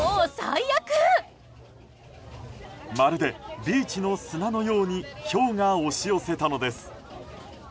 まるでビーチの砂のようにひょうが押し寄せたのです。